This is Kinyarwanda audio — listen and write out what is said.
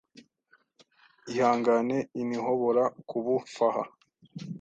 Ihangane, inhobora kubufaha